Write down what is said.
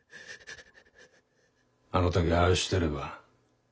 「あの時ああしてれば」